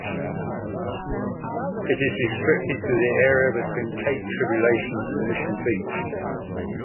It is restricted to the area between Cape Tribulation and Mission Beach.